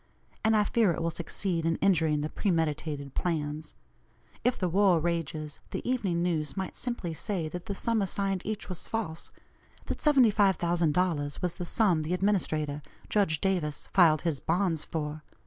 And I fear it will succeed in injuring the premeditated plans. If the war rages, the Evening News might simply say that the sum assigned each was false, that $75,000 was the sum the administrator, Judge Davis, filed his bonds for.